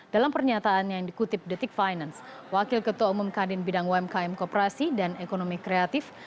dalam pernyataan yang dikutip detik finance wakil ketua umum kadin bidang umkm kooperasi dan ekonomi kreatif